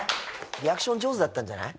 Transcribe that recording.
リアクション上手だったんじゃない？